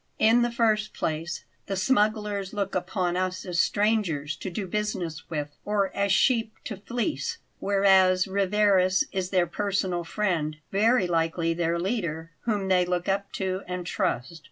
"In the first place, the smugglers look upon us as strangers to do business with, or as sheep to fleece, whereas Rivarez is their personal friend, very likely their leader, whom they look up to and trust.